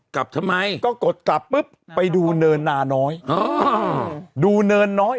กลับทำไมก็กดกลับปุ๊บไปดูเนินนาน้อยอ่าดูเนินน้อย